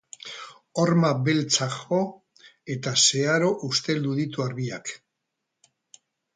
Horma beltzak jo eta zeharo usteldu ditu arbiak.